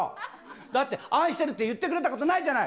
だって、愛してるって言ってくれたことないじゃない。